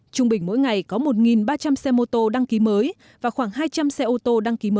trung bình mỗi ngày có một ba trăm linh xe ô tô